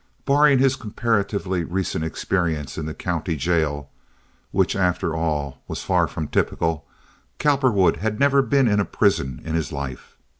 Barring his comparatively recent experience in the county jail, which after all was far from typical, Cowperwood had never been in a prison in his life.